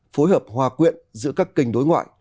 phối hợp hòa quyện giữa các kênh đối ngoại